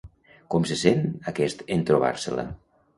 Com se sent aquest en trobar-se-la?